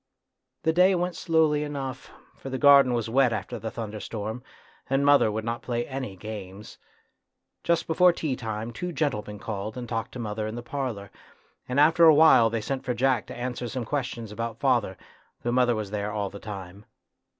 The day went slowly enough, for the A TRAGEDY IN LITTLE 95 garden was wet after the thunderstorm, and mother would not play any games. Just before tea time two gentlemen called and talked to mother in the parlour, and after a while they sent for Jack to answer some questions about father, though mother was there all the time.